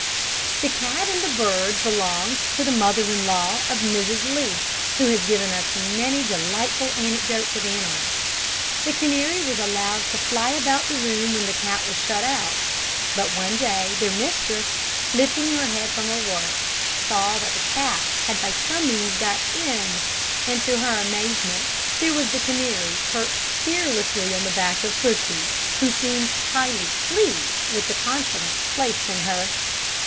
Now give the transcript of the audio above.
The cat and the bird belonged to the mother in law of Mrs Lee, who has given us many delightful anecdotes of animals. The canary was allowed to fly about the room when the cat was shut out; but one day their mistress, lifting her head from her work, saw that the cat had by some means got in; and, to her amazement, there was the canary perched fearlessly on the back of Pussy, who seemed highly pleased with the confidence placed in her.